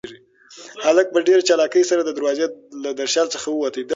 هلک په ډېر چالاکۍ سره د دروازې له درشل څخه ووت.